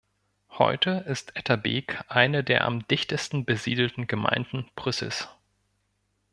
Heute ist Etterbeek eine der am dichtesten besiedelten Gemeinden Brüssels.